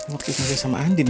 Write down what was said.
waktu kita sama andin ya